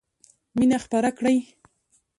مينه خپره کړئ.